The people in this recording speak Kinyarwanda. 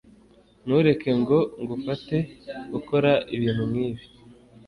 Ntureke ngo ngufate ukora ibintu nkibi.